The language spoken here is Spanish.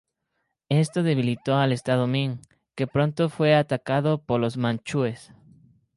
Esto debilitó al estado Ming, que pronto fue atacado por los manchúes.